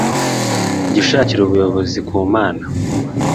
Jya ushakira ubuyobozi ku Mana